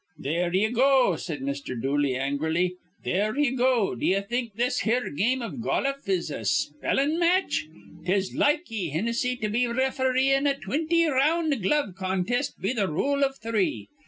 "There ye go!" said Mr. Dooley, angrily. "There ye go! D'ye think this here game iv goluf is a spellin' match? 'Tis like ye, Hinnissy, to be refereein' a twinty round glove contest be th' rule iv three.